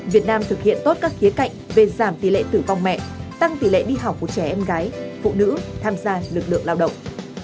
việt nam thực hiện tốt các khía cạnh về giảm tỷ lệ tử vong mẹ tăng tỷ lệ đi học của trẻ em gái phụ nữ tham gia lực lượng lao động